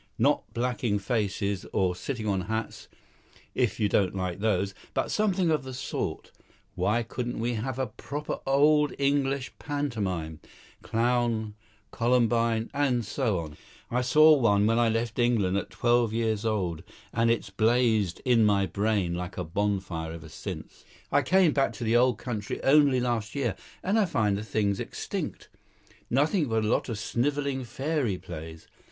Not blacking faces or sitting on hats, if you don't like those but something of the sort. Why couldn't we have a proper old English pantomime clown, columbine, and so on. I saw one when I left England at twelve years old, and it's blazed in my brain like a bonfire ever since. I came back to the old country only last year, and I find the thing's extinct. Nothing but a lot of snivelling fairy plays.